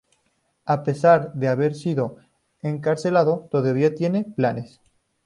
A pesar de haber sido encarcelado, todavía tiene planes.